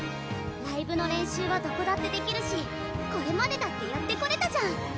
ライブの練習はどこだってできるしこれまでだってやってこれたじゃん。